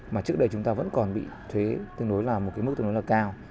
mà trước đây chúng ta vẫn còn bị thuế tương đối là một mức tương đối cao